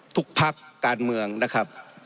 ทุกภาคการเมืองนะครับ